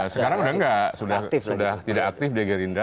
sekarang sudah enggak sudah tidak aktif di gerindra